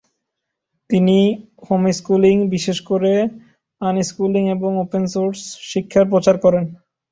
তিনি হোমস্কুলিং, বিশেষ করে আনস্কুলিং এবং ওপেন সোর্স শিক্ষার প্রচার করেন।